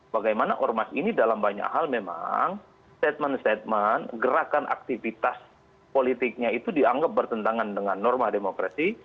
bagaimana ormas ini dalam banyak hal memang statement statement gerakan aktivitas politiknya itu dianggap bertentangan dengan norma demokrasi